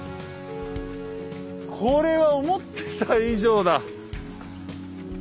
これは思ってた以上だ。